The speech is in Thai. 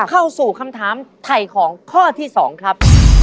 เข้าสู่คำถามไถ่ของข้อที่๒ครับ